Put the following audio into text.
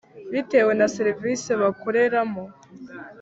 Bitewe na serivisi bakoreramo